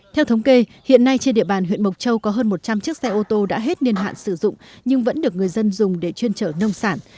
theo thống kê hiện nay trên địa bàn huyện mộc châu có hơn một trăm linh chiếc xe ô tô đã hết niên hạn sử dụng nhưng vẫn được người dân dùng để chuyên trở nông sản